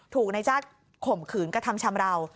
ถูกนายจ้างข่มขืนกระทำชำราว